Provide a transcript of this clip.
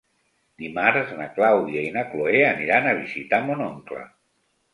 Dimarts na Clàudia i na Cloè aniran a visitar mon oncle.